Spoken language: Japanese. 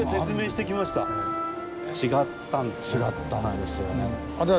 違ったんですね。